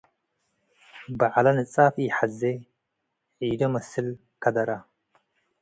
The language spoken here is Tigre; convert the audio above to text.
በዐለ ንጻፍ ኢሐዜ - ዒዶ መስል ከደረ